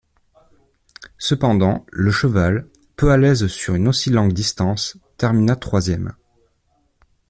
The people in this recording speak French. Cependant, le cheval, peu à l'aise sur une aussi longue distance, termina troisième.